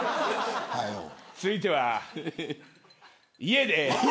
続いては家で。